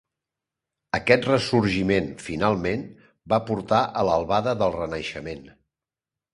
Aquest ressorgiment, finalment, va portar a l'albada del Renaixement.